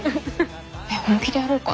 えっ本気でやろうかな。